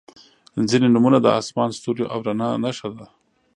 • ځینې نومونه د آسمان، ستوریو او رڼا نښه ده.